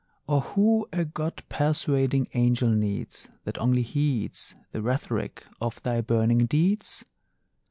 Or who a God persuading angel needs, That only heeds The rhetoric of thy burning deeds?